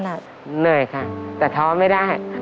เหนื่อยค่ะแต่ท้อไม่ได้